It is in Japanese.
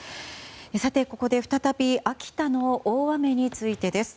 さて、ここで再び秋田の大雨についてです。